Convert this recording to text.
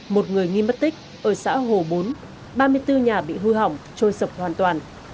một người nghi mất tích ở xã hồ bốn ba mươi bốn nhà bị hư hỏng trôi sập hoàn toàn